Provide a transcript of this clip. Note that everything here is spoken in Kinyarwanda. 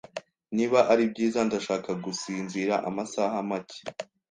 Niba ari byiza, ndashaka gusinzira amasaha make.